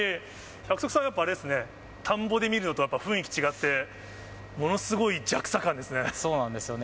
百束さん、やっぱりあれですね、田んぼで見るのとはやっぱり雰囲気違って、そうなんですよね。